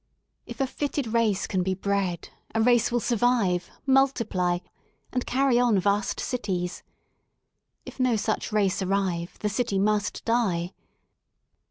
If a fitted race can be bred, a race will survive, multiply and carry on vast cities. If no such race arrive the city must die.